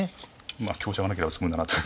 まあ香車がなければ詰むんだなと。